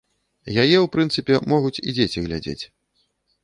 Яе, у прынцыпе, могуць і дзеці глядзець.